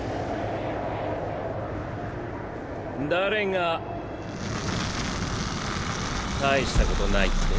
誰が大したことないって？